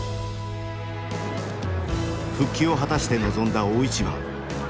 復帰を果たして臨んだ大一番。